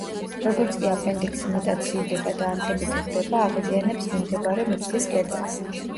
როგორც კი აპენდიქსი მეტად სივდება და ანთებითი ხდება, აღიზიანებს მიმდებარე მუცლის კედელს.